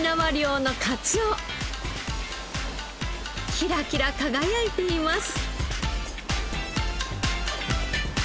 キラキラ輝いています。